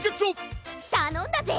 たのんだぜ！